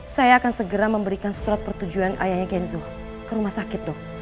saya akan segera memberikan surat pertujuan ayahnya gen zo ke rumah sakit dok